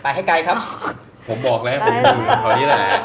อยากจะมีบ้านเพิ่มนะครับไปให้ไกลครับ